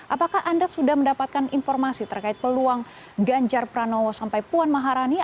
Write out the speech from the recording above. apakah anda sudah mendapatkan informasi terkait peluang ganjar pranowo sampai puan maharani